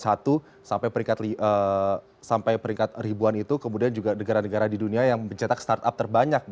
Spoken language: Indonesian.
sampai peringkat ribuan itu kemudian juga negara negara di dunia yang mencetak startup terbanyak